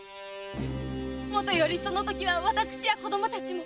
〔もとよりそのときは私や子供たちも！〕